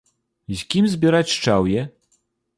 З кім збіраць шчаўе?